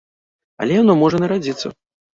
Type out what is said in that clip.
Але яно можа і нарадзіцца.